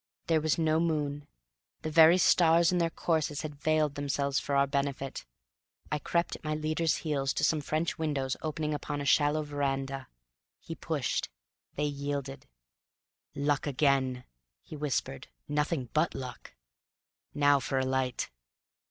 There was no moon. The very stars in their courses had veiled themselves for our benefit. I crept at my leader's heels to some French windows opening upon a shallow veranda. He pushed. They yielded. "Luck again," he whispered; "nothing BUT luck! Now for a light."